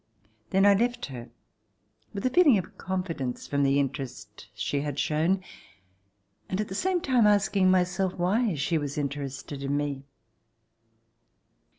Then I left her, with a feeling of confidence from the interest she had shown, and at the same time asking myself why she was interested in me.